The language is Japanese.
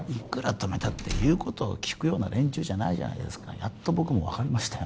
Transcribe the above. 止めたって言うことを聞くような連中じゃないじゃないですかやっと僕も分かりましたよ